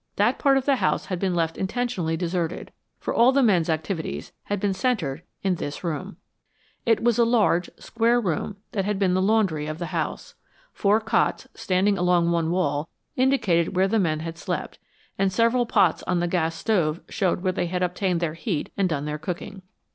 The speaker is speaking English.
That part of the house had been left intentionally deserted, for all the men's activities had been centered in this room. It was a large, square room that had been the laundry of the house. Four cots, standing along one wall, indicated where the men had slept, and several pots on the gas stove showed where they had obtained their heat and done their cooking.